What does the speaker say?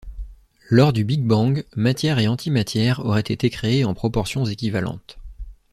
Lors du Big Bang, matière et antimatière auraient été créées en proportions équivalentes.